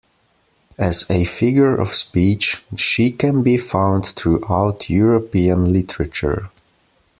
As a figure of speech she can be found throughout European literature.